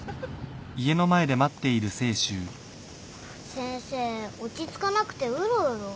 先生落ち着かなくてうろうろ。